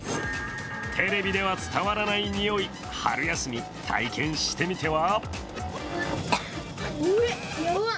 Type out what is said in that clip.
テレビでは伝わらない臭い、春休み、体験してみては？